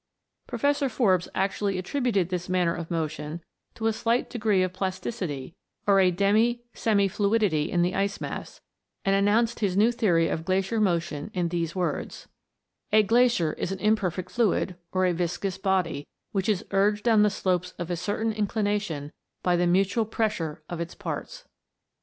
Professor Forbes actually attributed this manner of motion to a slight degree of plasticity or a demi semi fluidity in the ice mass, and announced his new theory of glacier motion in these words :" A glacier is an imperfect fluid, or a viscous body, which is urged down slopes of a certain inclination by the mutual pressure of its parts."